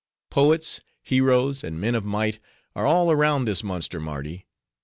Poets, heroes, and men of might, are all around this monster Mardi.